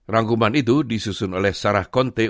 rangkuman itu disusun oleh sarah conte uu